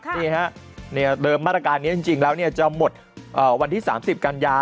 นี่ฮะเดิมมาตรการนี้จริงแล้วจะหมดวันที่๓๐กันยา